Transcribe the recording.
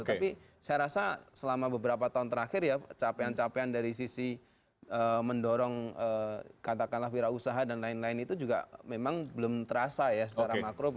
tapi saya rasa selama beberapa tahun terakhir ya capaian capaian dari sisi mendorong katakanlah wira usaha dan lain lain itu juga memang belum terasa ya secara makro